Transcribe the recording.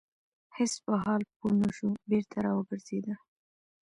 هیڅ په حال پوه نه شو بېرته را وګرځيده.